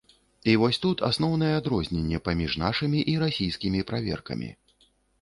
І вось тут асноўнае адрозненне паміж нашымі і расійскімі праверкамі.